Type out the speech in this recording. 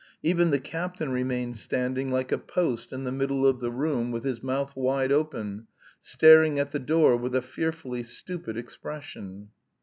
Even the captain remained standing like a post in the middle of the room with his mouth wide open, staring at the door with a fearfully stupid expression.